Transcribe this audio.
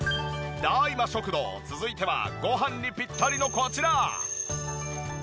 ダーイマ食堂続いてはごはんにピッタリのこちら！